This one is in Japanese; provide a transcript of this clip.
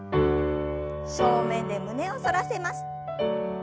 正面で胸を反らせます。